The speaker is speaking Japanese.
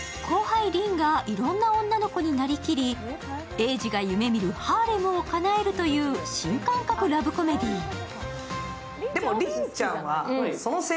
後輩・凛がいろいろな女の子になりきり、瑛二が夢見るハーレムをかなえるという新感覚ラブコメディー。